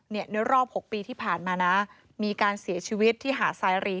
ในรอบ๖ปีที่ผ่านมานะมีการเสียชีวิตที่หาดสายรี